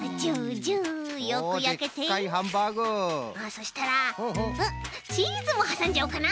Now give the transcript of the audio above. そしたらチーズもはさんじゃおうかな！